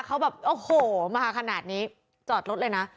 เขาแบบโอ้โหมาขนาดนี้จอดรถเลยนะ